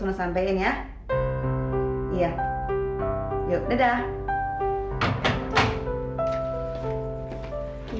hai bisa sampai ini ya iya ya adzai